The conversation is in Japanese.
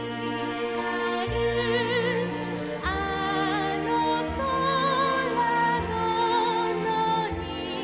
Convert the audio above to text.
「あのそらののに」